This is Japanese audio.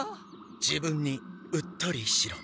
自分にうっとりしろ！